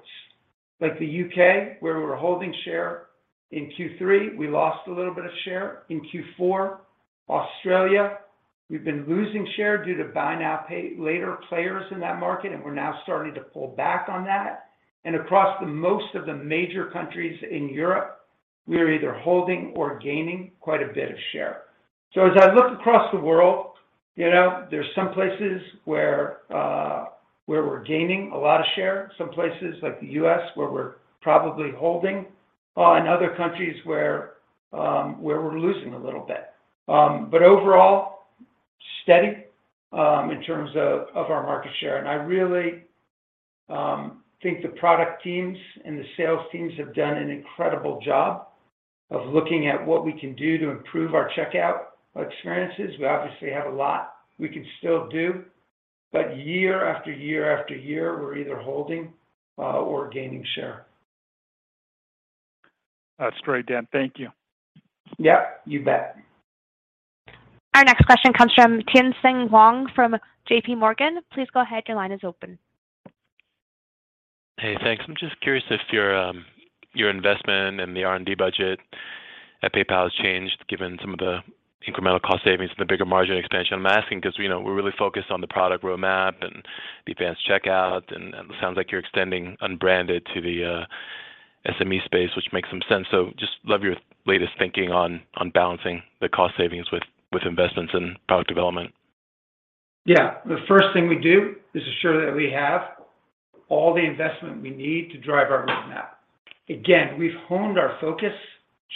like the U.K. where we're holding share. In Q3, we lost a little bit of share. In Q4, Australia, we've been losing share due to buy now, pay later players in that market, and we're now starting to pull back on that. Across the most of the major countries in Europe, we're either holding or gaining quite a bit of share. As I look across the world, you know, there's some places where we're gaining a lot of share, some places like the U.S. where we're probably holding, and other countries where we're losing a little bit. Overall, steady, in terms of our market share. I really think the product teams and the sales teams have done an incredible job of looking at what we can do to improve our checkout experiences. We obviously have a lot we can still do, but year after year after year, we're either holding or gaining share. That's great, Dan. Thank you. Yep, you bet. Our next question comes from Tien-Tsin Huang from J.P. Morgan Chase. Please go ahead, your line is open. Hey, thanks. I'm just curious if your investment and the R&D budget at PayPal has changed given some of the incremental cost savings and the bigger margin expansion. I'm asking because, you know, we're really focused on the product roadmap and the advanced checkout, and it sounds like you're extending unbranded to the SME space, which makes some sense. Just love your latest thinking on balancing the cost savings with investments in product development. Yeah. The first thing we do is ensure that we have all the investment we need to drive our roadmap. Again, we've honed our focus,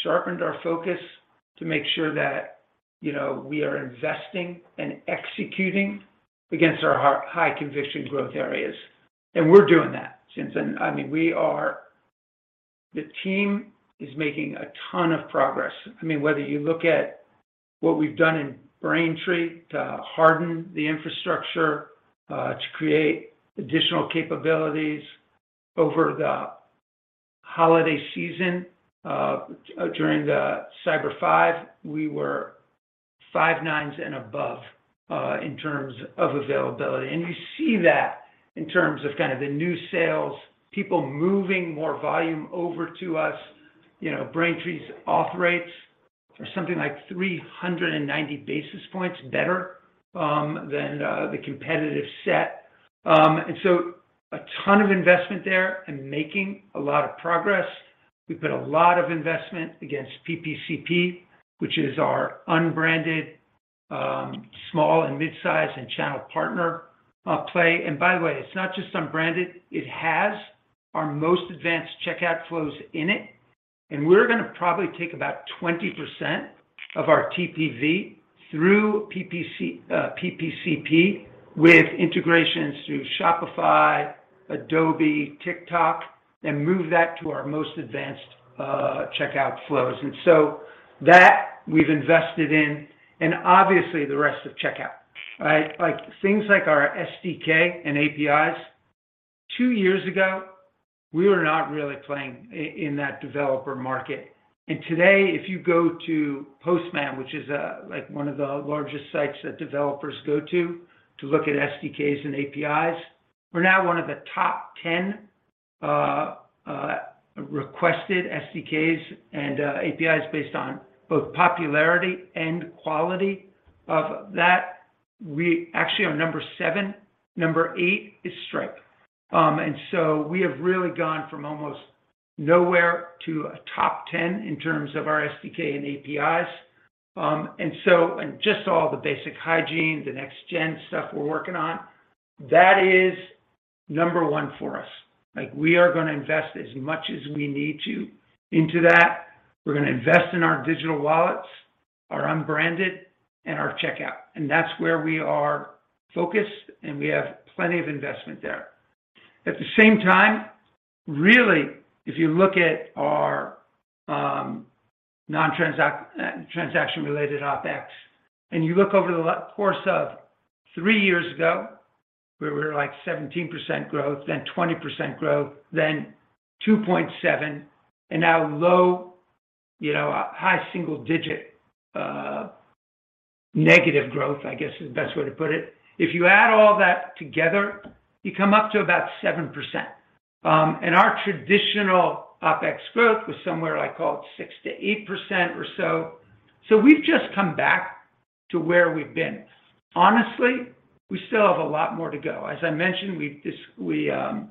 sharpened our focus to make sure that, you know, we are investing and executing against our high conviction growth areas. We're doing that since then. I mean, the team is making a ton of progress. I mean, whether you look at what we've done in Braintree to harden the infrastructure, to create additional capabilities over the holiday season, during the Cyber 5, we were five nines and above in terms of availability. You see that in terms of kind of the new sales, people moving more volume over to us. You know, Braintree's auth rates are something like 390 basis points better than the competitive set. A ton of investment there and making a lot of progress. We've put a lot of investment against PPCP, which is our unbranded, small and mid-size and channel partner play. By the way, it's not just unbranded, it has our most advanced checkout flows in it. We're gonna probably take about 20% of our TPV through PPCP with integrations through Shopify, Adobe, TikTok, and move that to our most advanced checkout flows. That we've invested in, and obviously the rest of checkout, right? Like, things like our SDK and APIs. Two years ago, we were not really playing in that developer market. Today, if you go to Postman, which is, like one of the largest sites that developers go to look at SDKs and APIs, we're now one of the top 10 requested SDKs and APIs based on both popularity and quality of that. We actually are number 7. Number 8 is Stripe. We have really gone from almost nowhere to a top 10 in terms of our SDK and APIs. Just all the basic hygiene, the next gen stuff we're working on, that is number 1 for us. Like, we are gonna invest as much as we need to into that. We're gonna invest in our digital wallets, our unbranded, and our checkout, and that's where we are focused, and we have plenty of investment there. At the same time, really, if you look at our transaction-related OpEx, and you look over the course of three years ago, where we were like 17% growth, then 20% growth, then 2.7%, and now low, high single digit, negative growth, I guess, is the best way to put it. If you add all that together, you come up to about 7%. Our traditional OpEx growth was somewhere like, call it, 6%-8% or so. We've just come back to where we've been. Honestly, we still have a lot more to go. As I mentioned, we have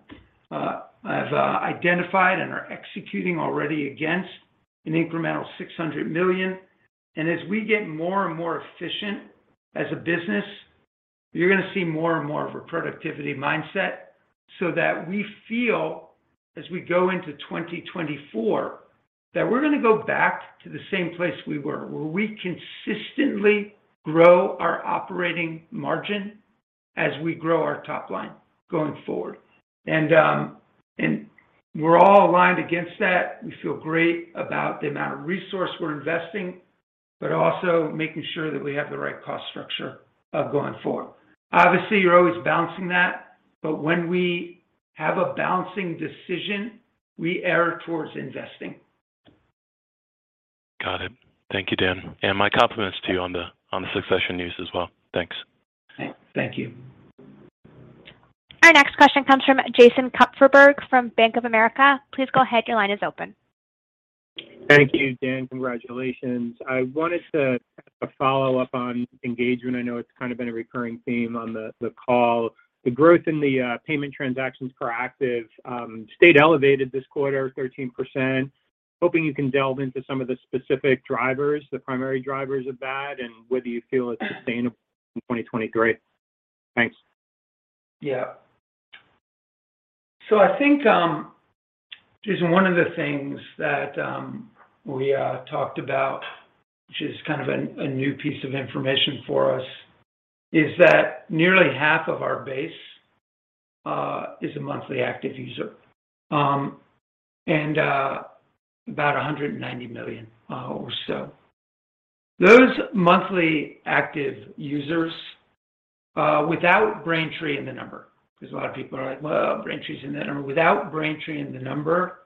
identified and are executing already against an incremental $600 million. As we get more and more efficient as a business, you're gonna see more and more of a productivity mindset, so that we feel as we go into 2024, that we're gonna go back to the same place we were, where we consistently grow our operating margin as we grow our top line going forward. We're all aligned against that. We feel great about the amount of resource we're investing, but also making sure that we have the right cost structure going forward. Obviously, you're always balancing that, but when we have a balancing decision, we err towards investing. Got it. Thank you, Dan. My compliments to you on the succession news as well. Thanks. Thank you. Our next question comes from Jason Kupferberg from Bank of America. Please go ahead, your line is open. Thank you, Dan. Congratulations. I wanted to follow up on engagement. I know it's kind of been a recurring theme on the call. The growth in the payment transactions per active stayed elevated this quarter, 13%. Hoping you can delve into some of the specific drivers, the primary drivers of that, and whether you feel it's sustainable in 2023. Thanks. Yeah. I think, Jason, one of the things that we talked about, which is kind of a new piece of information for us, is that nearly half of our base is a monthly active user, and about $190 million or so. Those monthly active users, without Braintree in the number, 'cause a lot of people are like, "Well, Braintree's in the number." Without Braintree in the number,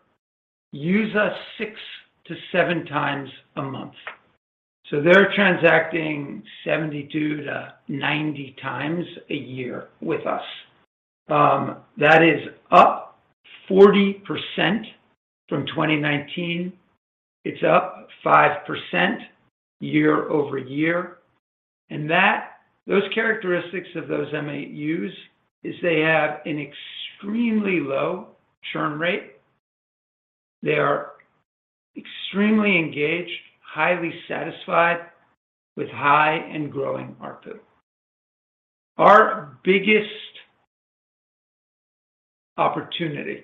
use us 6 to 7 times a month. They're transacting 72 to 90 times a year with us. That is up 40% from 2019. It's up 5% year-over-year. That, those characteristics of those MAUs is they have an extremely low churn rate. They are extremely engaged, highly satisfied, with high and growing ARPU. Our biggest opportunity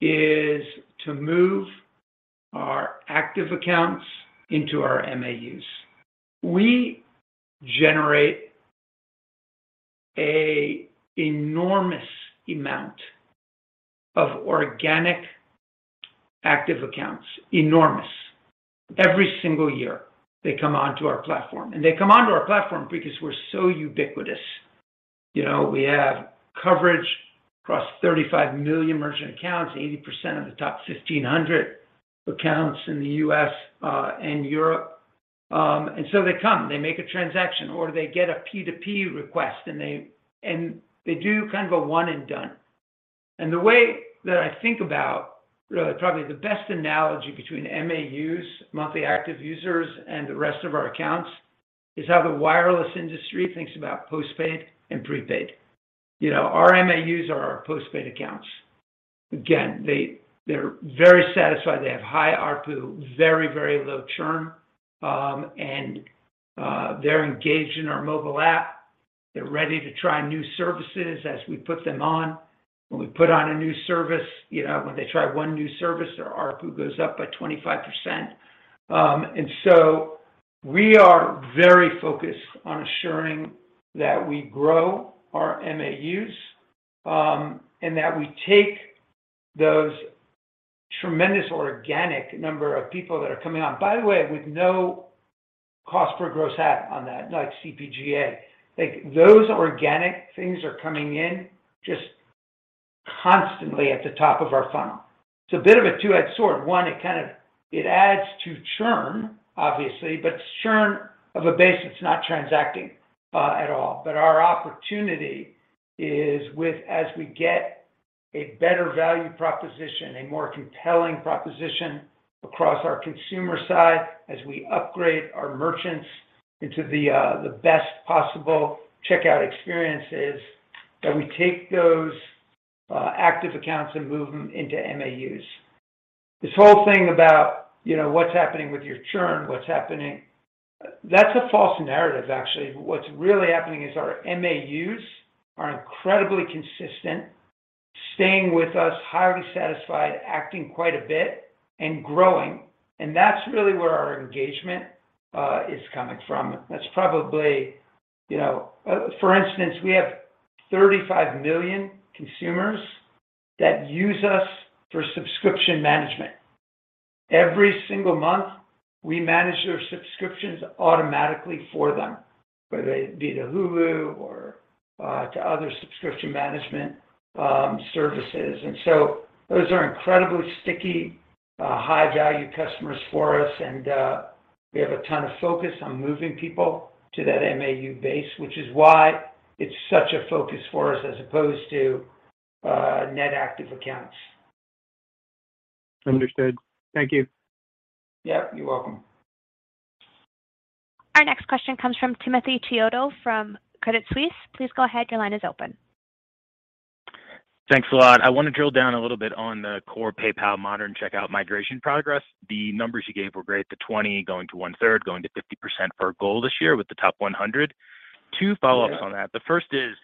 is to move our active accounts into our MAUs. We generate a enormous amount of organic active accounts, enormous. Every single year, they come onto our platform. They come onto our platform because we're so ubiquitous. You know, we have coverage across 35 million merchant accounts, 80% of the top 1,500 accounts in the U.S. and Europe. So they come, they make a transaction, or they get a P2P request, and they do kind of a one and done. The way that I think about, probably the best analogy between MAUs, monthly active users, and the rest of our accounts is how the wireless industry thinks about postpaid and prepaid. You know, our MAUs are our postpaid accounts. Again, they're very satisfied. They have high ARPU, very low churn, and they're engaged in our mobile app. They're ready to try new services as we put them on. When we put on a new service, you know, when they try one new service, their ARPU goes up by 25%. We are very focused on ensuring that we grow our MAUs and that we take those tremendous organic number of people that are coming on. By the way, with no cost per gross add on that, like CPGA. Like, those organic things are coming in just constantly at the top of our funnel. It's a bit of a two-edged sword. One, it kind of, it adds to churn, obviously, but churn of a base that's not transacting at all. Our opportunity is with as we get a better value proposition, a more compelling proposition across our consumer side, as we upgrade our merchants into the best possible checkout experiences, that we take those active accounts and move them into MAUs. This whole thing about, you know, what's happening with your churn, what's happening, that's a false narrative, actually. What's really happening is our MAUs are incredibly consistent, staying with us, highly satisfied, acting quite a bit, and growing. That's really where our engagement is coming from. That's probably, you know, For instance, we have 35 million consumers that use us for subscription management. Every single month, we manage their subscriptions automatically for them, whether they be to Hulu or to other subscription management services. Those are incredibly sticky, high-value customers for us. We have a ton of focus on moving people to that MAU base, which is why it's such a focus for us as opposed to, net active accounts. Understood. Thank you. Yep, you're welcome. Our next question comes from Timothy Chiodo from Credit Suisse. Please go ahead. Your line is open. Thanks a lot. I want to drill down a little bit on the core PayPal modern checkout migration progress. The numbers you gave were great, the 20 going to 1/3, going to 50% for a goal this year with the top 100. Yeah. 2 follow-ups on that. The first is,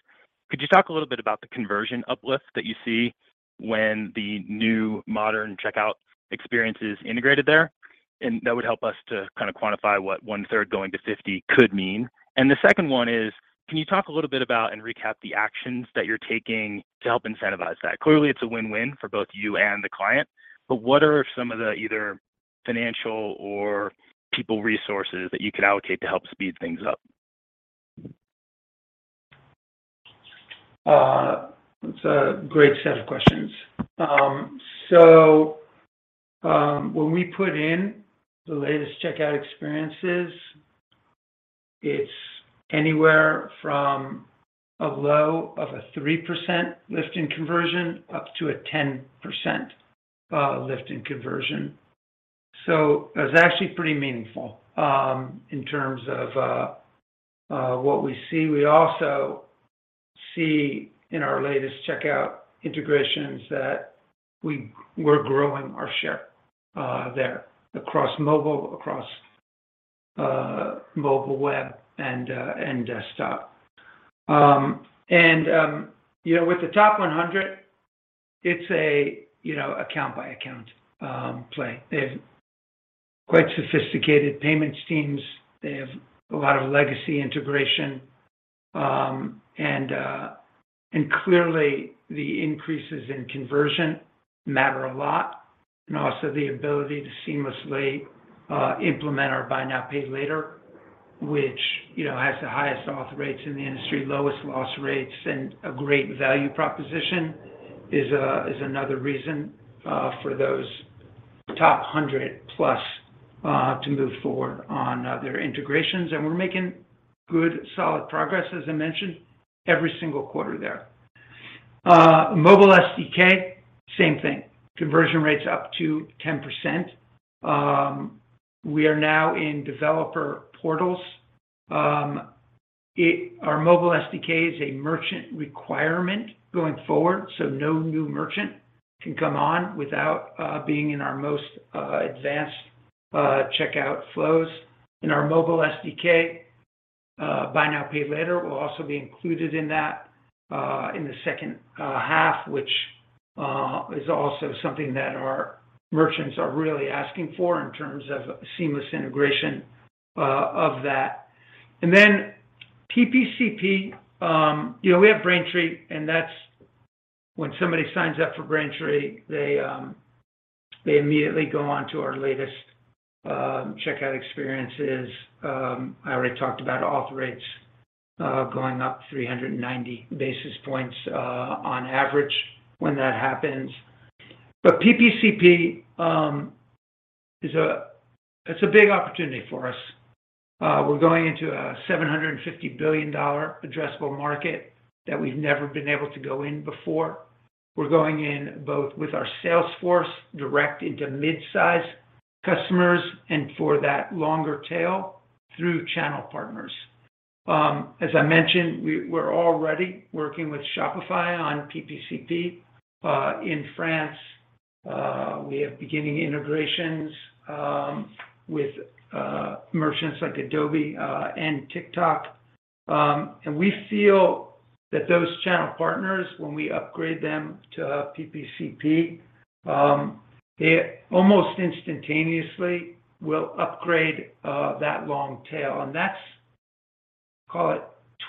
could you talk a little bit about the conversion uplift that you see when the new modern checkout experience is integrated there? That would help us to kind of quantify what one-third going to 50 could mean. The second one is, can you talk a little bit about and recap the actions that you're taking to help incentivize that? Clearly, it's a win-win for both you and the client. What are some of the either financial or people resources that you could allocate to help speed things up? That's a great set of questions. When we put in the latest checkout experiences, it's anywhere from a low of a 3% lift in conversion up to a 10% lift in conversion. That's actually pretty meaningful in terms of what we see. We also see in our latest checkout integrations that we're growing our share there across mobile, across mobile web and desktop. You know, with the top 100, it's a, you know, account-by-account play. They have quite sophisticated payments teams. They have a lot of legacy integration. Clearly, the increases in conversion matter a lot. Also the ability to seamlessly implement our buy now, pay later, which, you know, has the highest auth rates in the industry, lowest loss rates, and a great value proposition is another reason for those top 100+ to move forward on their integrations. We're making good, solid progress, as I mentioned, every single quarter there. Mobile SDK, same thing. Conversion rates up to 10%. We are now in developer portals. Our mobile SDK is a merchant requirement going forward, so no new merchant can come on without being in our most advanced checkout flows. In our mobile SDK, buy now, pay later will also be included in that, in the second half, which is also something that our merchants are really asking for in terms of seamless integration of that. PPCP, you know, we have Braintree. When somebody signs up for Braintree, they immediately go on to our latest checkout experiences. I already talked about auth rates going up 390 basis points on average when that happens. PPCP, it's a big opportunity for us. We're going into a $750 billion addressable market that we've never been able to go in before. We're going in both with our sales force direct into mid-size customers, and for that longer tail through channel partners. As I mentioned, we're already working with Shopify on PPCP. In France, we are beginning integrations with merchants like Adobe and TikTok. We feel that those channel partners, when we upgrade them to PPCP, they almost instantaneously will upgrade that long tail. That's, call it,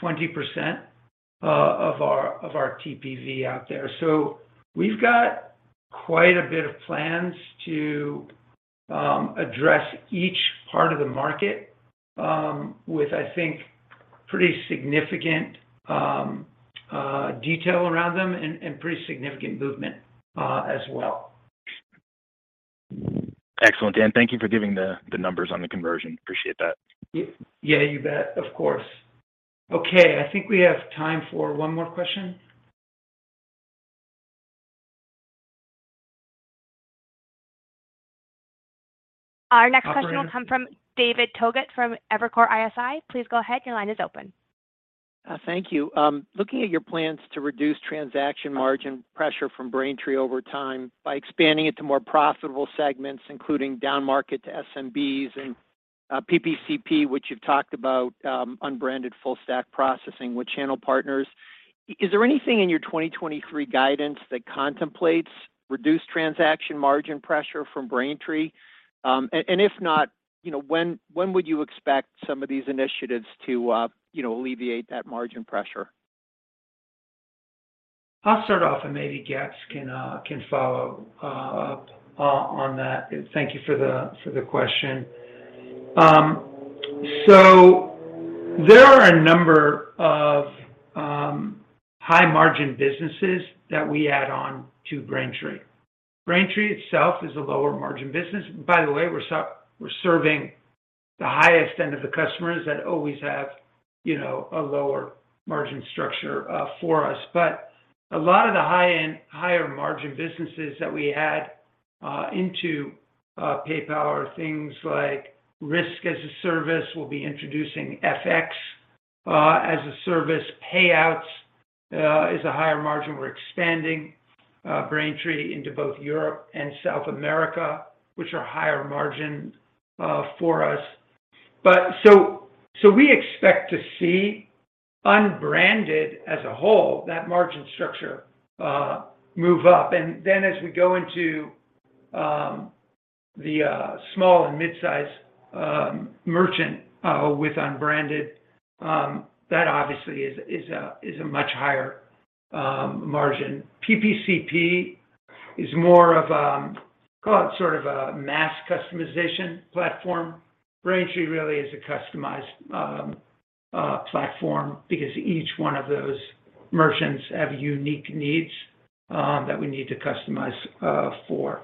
20% of our TPV out there. We've got quite a bit of plans to address each part of the market with, I think, pretty significant detail around them and pretty significant movement as well. Excellent. Dan, thank you for giving the numbers on the conversion. Appreciate that. Yeah, you bet. Of course. Okay. I think we have time for one more question. Our next question will come from David Togut from Evercore ISI. Please go ahead, your line is open. Thank you. Looking at your plans to reduce transaction margin pressure from Braintree over time by expanding it to more profitable segments, including down market to SMBs and PPCP, which you've talked about, unbranded full stack processing with channel partners. Is there anything in your 2023 guidance that contemplates reduced transaction margin pressure from Braintree? If not, you know, when would you expect some of these initiatives to, you know, alleviate that margin pressure? I'll start off, maybe Gabs can follow up on that. Thank you for the question. There are a number of high margin businesses that we add on to Braintree. Braintree itself is a lower margin business. By the way, we're serving the highest end of the customers that always have, you know, a lower margin structure for us. A lot of the high-end, higher margin businesses that we add into PayPal are things like risk as a service. We'll be introducing FX as a service. Payouts is a higher margin. We're expanding Braintree into both Europe and South America, which are higher margin for us. So we expect to see unbranded as a whole, that margin structure move up. As we go into the small and mid-size merchant with unbranded, that obviously is a much higher margin. PPCP is more of call it sort of a mass customization platform. Braintree really is a customized platform because each one of those merchants have unique needs that we need to customize for.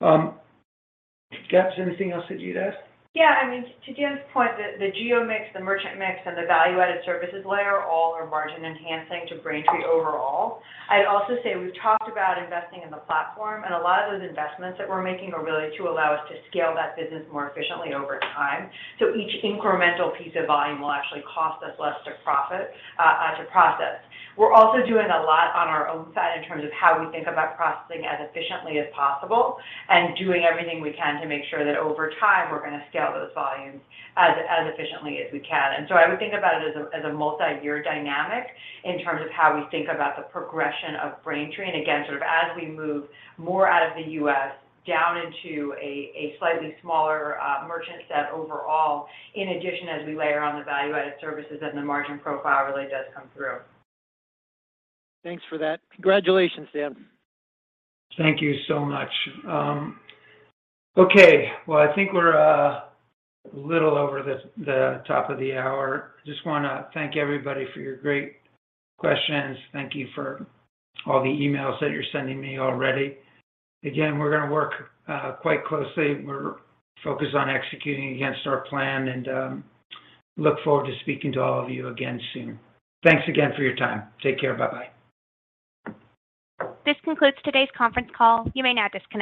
Gabs, anything else that you'd add? Yeah, I mean, to Dan's point, the geo mix, the merchant mix, and the value-added services layer all are margin enhancing to Braintree overall. I'd also say we've talked about investing in the platform, and a lot of those investments that we're making are really to allow us to scale that business more efficiently over time. Each incremental piece of volume will actually cost us less to profit to process. We're also doing a lot on our own side in terms of how we think about processing as efficiently as possible and doing everything we can to make sure that over time, we're gonna scale those volumes as efficiently as we can. I would think about it as a multi-year dynamic in terms of how we think about the progression of Braintree. sort of as we move more out of the U.S. down into a slightly smaller merchant set overall, in addition, as we layer on the value-added services, then the margin profile really does come through. Thanks for that. Congratulations, Dan. Thank you so much. Okay. Well, I think we're a little over the top of the hour. Just wanna thank everybody for your great questions. Thank you for all the emails that you're sending me already. Again, we're gonna work quite closely. We're focused on executing against our plan and look forward to speaking to all of you again soon. Thanks again for your time. Take care. Bye-bye. This concludes today's conference call. You may now disconnect.